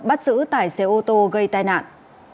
bắt giữ tài xe ô tô gây tai nạn